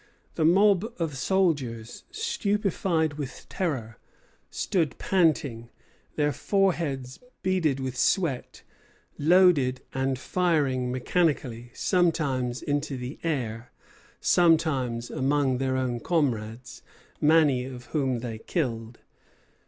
The mob of soldiers, stupefied with terror, stood panting, their foreheads beaded with sweat, loading and firing mechanically, sometimes into the air, sometimes among their own comrades, many of whom they killed.